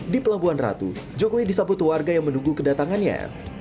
di pelabuhan ratu jokowi disambut warga yang menunggu kedatangannya